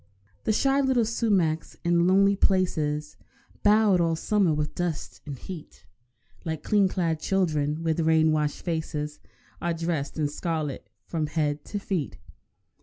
The shy little sumacs, in lonely places, Bowed all summer with dust and heat, Like clean clad children with rain washed faces, Are dressed in scarlet from head to feet.